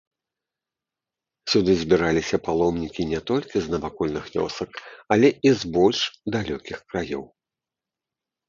Сюды збіраліся паломнікі не толькі з навакольных вёсак, але і з больш далёкіх краёў.